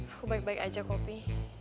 aku baik baik aja kok pi